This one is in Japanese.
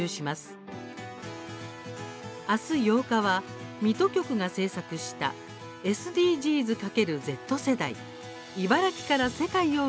あす８日は、水戸局が制作した「ＳＤＧｓ×Ｚ世代イバラキから世界を動かせ！」。